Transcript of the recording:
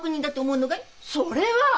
それは！